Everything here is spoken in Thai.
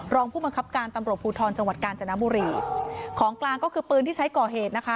รองผู้บังคับการตำรวจภูทรจังหวัดกาญจนบุรีของกลางก็คือปืนที่ใช้ก่อเหตุนะคะ